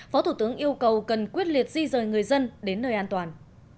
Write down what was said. phó thủ tướng yêu cầu cần quyết liệt di rời người dân đến nơi an toàn